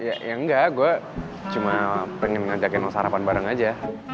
ya enggak gue cuma pengen ngajakin sarapan bareng aja